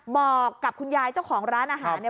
บอกกับคุณยายเจ้าของร้านอาหารเนี่ย